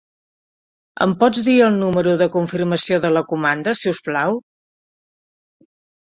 Em pots dir el número de confirmació de la comanda, si us plau?